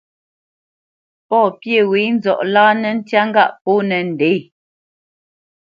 Pɔ̂ pyê wě nzɔʼ láánǝ́ ntyá ŋgâʼ pōnǝ ndě.